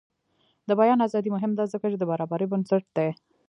د بیان ازادي مهمه ده ځکه چې د برابرۍ بنسټ دی.